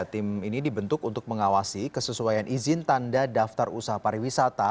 tim ini dibentuk untuk mengawasi kesesuaian izin tanda daftar usaha pariwisata